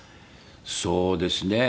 そうですね。